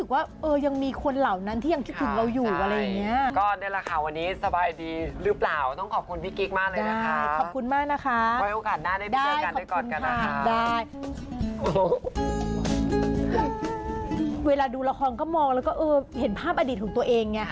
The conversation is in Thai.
เวลาดูละครก็มองแล้วก็เห็นภาพอดีตของตัวเองไง